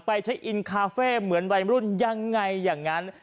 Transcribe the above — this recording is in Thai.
ไปใช้อินคาเฟ่เหมือนวัยรุ่นยังไงอย่างนั้น